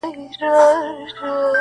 په نصيب يې وې ښادۍ او نعمتونه٫